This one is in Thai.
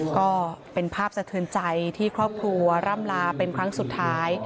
ก็เป็นภาพสะเทือนใจที่ครอบครัวร่ำลาเป็นครั้งสุดท้าย